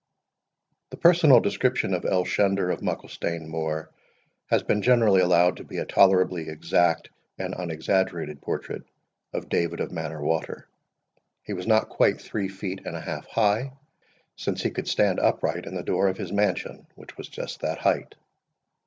The personal description of Elshender of Mucklestane Moor has been generally allowed to be a tolerably exact and unexaggerated portrait of David of Manor Water. He was not quite three feet and a half high, since he could stand upright in the door of his mansion, which was just that height.